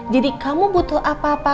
jadi kamu butuh apa apa